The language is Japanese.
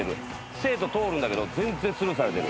生徒通るんだけど全然スルーされてる。